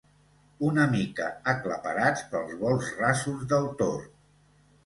Una mica aclaparats pels volts rasos del tord.